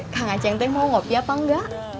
kang aceh yang teh mau kopi apa engga